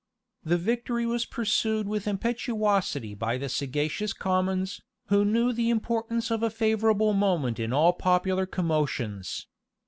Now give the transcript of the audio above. The victory was pursued with impetuosity by the sagacious commons, who knew the importance of a favorable moment in all popular commotions.